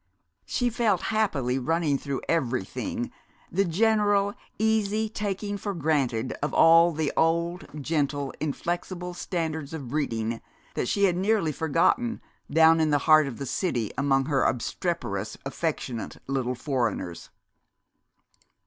She felt happily running though everything the general, easy taking for granted of all the old, gentle, inflexible standards of breeding that she had nearly forgotten, down in the heart of the city among her obstreperous, affectionate little foreigners.